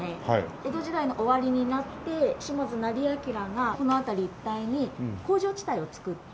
江戸時代の終わりになって島津斉彬がこの辺り一帯に工場地帯を作って。